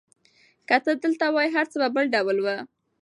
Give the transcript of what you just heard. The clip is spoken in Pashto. که ته دلته وای، هر څه به بل ډول وو.